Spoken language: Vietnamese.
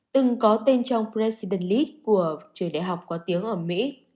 từng có tên trong president s list của việt nam